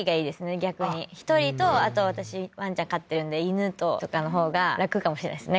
逆に１人とあと私ワンちゃん飼ってるんで犬ととかのほうが楽かもしれないですね